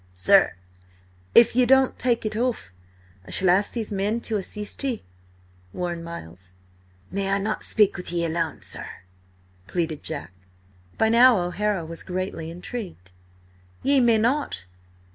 "Sir—" "If ye don't take it off, I shall ask these men to assist ye," warned Miles. "May I not speak with ye alone, sir?" pleaded Jack. By now O'Hara was greatly intrigued. "Ye may not.